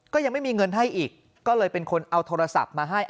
ยังไม่มีเงินให้อีกก็เลยเป็นคนเอาโทรศัพท์มาให้